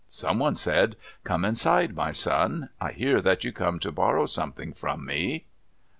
Someone said, "Come inside, my son, I hear that you come to borrow something from me."